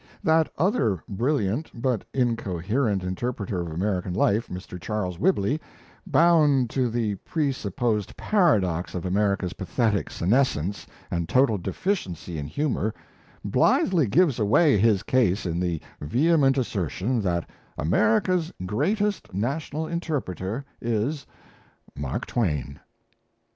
That other brilliant but incoherent interpreter of American life, Mr. Charles Whibley, bound to the presupposed paradox of America's pathetic senescence and total deficiency in humour, blithely gives away his case in the vehement assertion that America's greatest national interpreter is Mark Twain!